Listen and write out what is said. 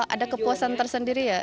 ada kepuasan tersendiri ya